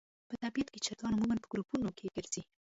په طبیعت کې چرګان عموماً په ګروپونو کې ګرځي.